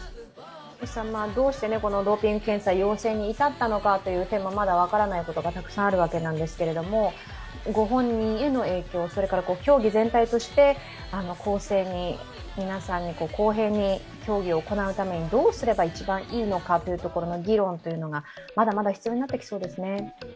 どうしてドーピング検査、陽性に至ったのかという点もまだ分からないことがたくさんあるわけなんですけどもご本人への影響、それから競技全体として公正に皆さんに公平に競技を行うためにどうすれば一番いいのかという議論がまだまだ必要になってきそうですね。